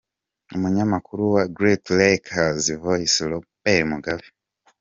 Umunyamakuru wa Great Lakes Voice, Robert Mugabe